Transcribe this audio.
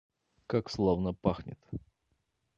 Как славно пахнет!